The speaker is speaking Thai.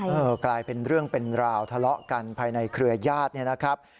กลายเป็นเรื่องเป็นราวทะเลาะกันภายในเครือญาติเนี่ยนะครับ